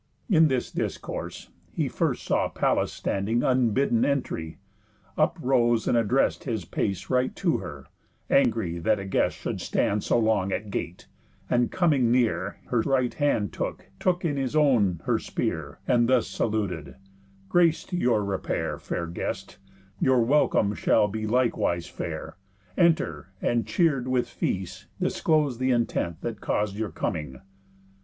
In this discourse, he first saw Pallas standing, Unbidden entry; up rose, and addrest His pace right to her, angry that a guest Should stand so long at gate; and, coming near, Her right hand took, took in his own her spear, And thus saluted: "Grace to your repair, Fair guest, your welcome shall be likewise fair. Enter, and, cheer'd with feast, disclose th' intent That caus'd your coming."